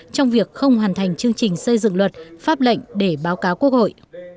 trong việc không hoàn thành chương trình xây dựng luật pháp lệnh để báo cáo quốc hội